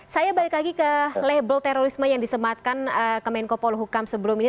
saya balik lagi ke label terorisme yang disematkan kemenko poluhukam sebelum ini